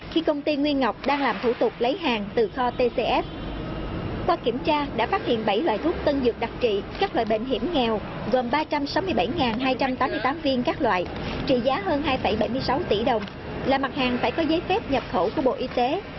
khi công ty nguyên ngọc đang làm thủ tục lấy hàng từ kho tcf qua kiểm tra đã phát hiện bảy loại thuốc tân dược đặc trị các loại bệnh hiểm nghèo gồm ba trăm sáu mươi bảy hai trăm tám mươi tám viên các loại trị giá hơn hai bảy mươi sáu tỷ đồng là mặt hàng phải có giấy phép nhập khẩu của bộ y tế